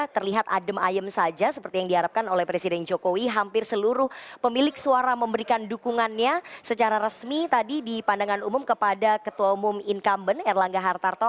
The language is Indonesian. terlihat adem ayem saja seperti yang diharapkan oleh presiden jokowi hampir seluruh pemilik suara memberikan dukungannya secara resmi tadi di pandangan umum kepada ketua umum incumbent erlangga hartarto